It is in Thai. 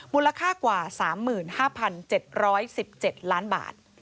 มูลค่ากว่า๓๕๗๑๗ล้านบาท